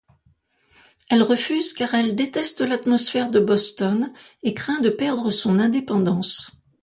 Elle refuse car elle déteste l'atmosphère de Boston et craint de perdre son indépendance.